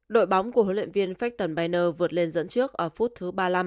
đội bóng của huấn luyện viên fakhtan bainer vượt lên dẫn trước ở phút thứ ba mươi năm